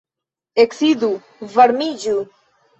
Eksidu, varmiĝu.